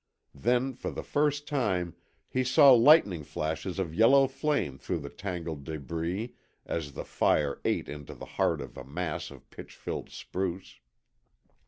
Then, for the first time, he saw lightning flashes of yellow flame through the tangled debris as the fire ate into the heart of a mass of pitch filled spruce.